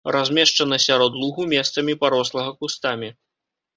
Размешчана сярод лугу, месцамі парослага кустамі.